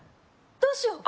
どうしよう